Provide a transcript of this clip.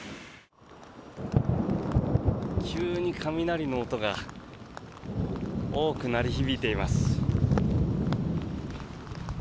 急に雷の音が多く鳴り響いています。